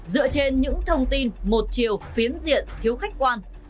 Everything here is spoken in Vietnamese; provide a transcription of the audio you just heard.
dựa trên những thông tin một chiều phiến diện thiếu khách quan